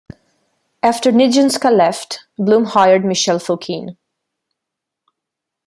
After Nijinska left, Blum hired Michel Fokine.